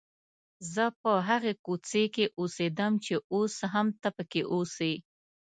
زه په هغې کوڅې کې اوسېدم چې اوس هم ته پکې اوسې.